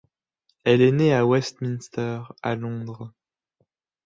Elle est née à Westminster, à Londres.